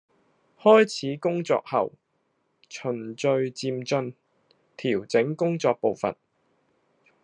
開始工作後，循序漸進調整工作步伐